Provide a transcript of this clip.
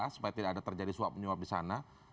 supaya tidak ada terjadi suap menyuap di sana